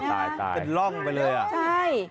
ตายเป็นร่องไปเลยอ่ะใช่